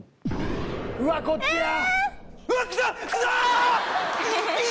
うわ、こっちや！